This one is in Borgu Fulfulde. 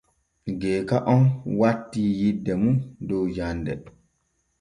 Geeka on wattii yidde mum dow jande.